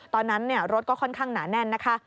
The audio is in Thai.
ตอนนั้นรถก็ค่อนข้างหนาแน่นนะคะ